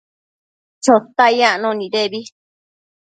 Chotac yacno nidebi